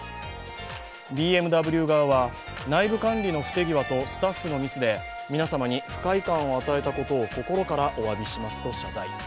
ＢＭＷ側は、内部管理の不手際とスタッフのミスで皆様に不快感を与えたことを心からおわびしますと謝罪。